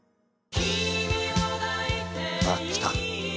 「あっきた！」